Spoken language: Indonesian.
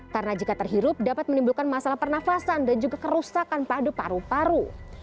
karena jika terhirup dapat menimbulkan masalah pernafasan dan juga kerusakan pada paru paru